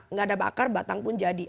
nggak ada bakar batang pun jadi